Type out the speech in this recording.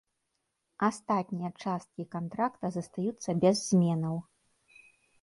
Астатнія часткі кантракта застаюцца без зменаў.